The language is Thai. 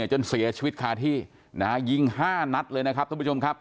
จนเสียชีวิตคาที่นะฮะยิง๕นัดเลยนะครับท่านผู้ชมครับ